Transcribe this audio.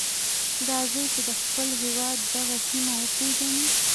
راځئ چې د خپل هېواد دغه سیمه وپیژنو.